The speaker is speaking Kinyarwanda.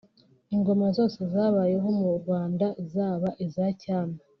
ingoma zose zabayeho mu rwanda zaba iza cyami